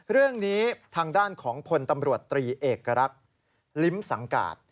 เรื่องนี้ทางด้านของพลตำรวจตรีเอกรักษ์ลิ้มสังกาศ